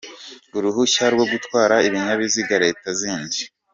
“Uruhushya rwo gutwara ibinyabiziga, leta zindi”